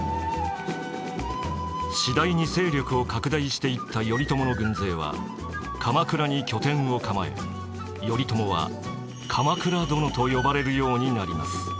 次第に勢力を拡大していった頼朝の軍勢は鎌倉に拠点を構え頼朝は鎌倉殿と呼ばれるようになります。